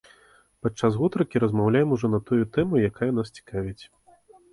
Падчас гутаркі размаўляем ужо на тую тэму, якая нас цікавіць.